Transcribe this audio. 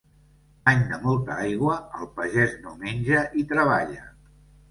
Any de molta aigua, el pagès no menja i treballa.